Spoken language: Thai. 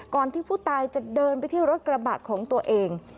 ที่ผู้ตายจะเดินไปที่รถกระบะของตัวเอง